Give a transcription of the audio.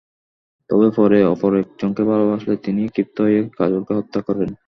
তবে পরে অপর একজনকে ভালোবাসলে তিনি ক্ষিপ্ত হয়ে কাজলকে হত্যা করেন।